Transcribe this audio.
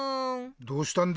どうしたんだい？